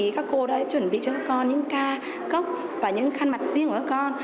các cô đã chuẩn bị cho các con những ca cốc và những khăn mặt riêng của các con